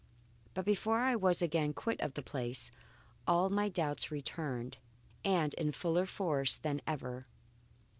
But before I was again quit of the place, all my doubts returned and in fuller force than ever.